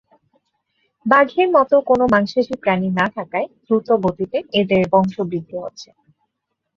বাঘের মতো কোনো মাংসাশী প্রাণী না থাকায় দ্রুতগতিতে এদের বংশবৃদ্ধি হচ্ছে।